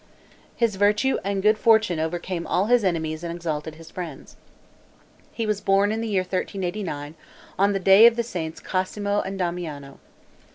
His virtue and good fortune overcame all his enemies and exalted his friends. He was born in the year 1389, on the day of the saints Cosmo and Damiano.